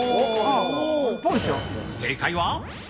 正解は。